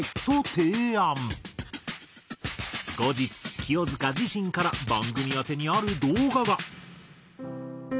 後日清塚自身から番組宛てにある動画が。